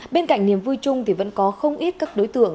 bên cạnh niềm vui chung thì vẫn có không ít các đối tượng